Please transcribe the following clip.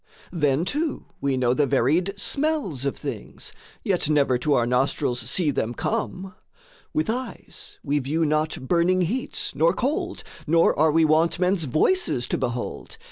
Then too we know the varied smells of things Yet never to our nostrils see them come; With eyes we view not burning heats, nor cold, Nor are we wont men's voices to behold.